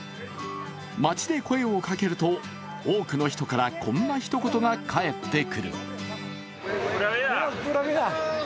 街で声をかけると、多くの人からこんな一言が返ってくる。